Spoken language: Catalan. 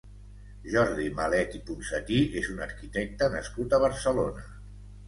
Jordi Malet i Ponsatí és un arquitecte nascut a Barcelona.